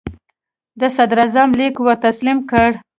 د صدراعظم لیک ور تسلیم کړ.